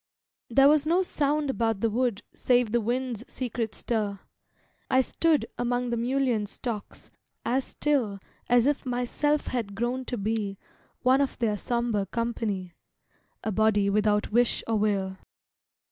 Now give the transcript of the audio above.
There was no sound about the wood Save the wind's secret stir. I stood Among the mullein stalks as still As if myself had grown to be One of their sombre company, A body without wish or will.